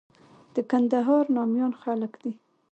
د کندهار ناميان خلک دي.